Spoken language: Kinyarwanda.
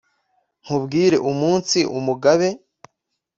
nkubwire umunsi umugabe